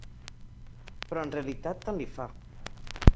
Però en realitat, tant li fa.